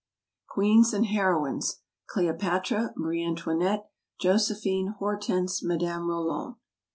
Queens and Heroines. CLEOPATRA. MARIA ANTOINETTE. JOSEPHINE. HORTENSE. MADAME ROLAND.